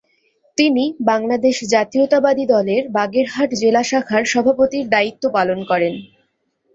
তিনি বাংলাদেশ জাতীয়তাবাদী দলের বাগেরহাট জেলা শাখার সভাপতির দায়িত্ব পালন করেন।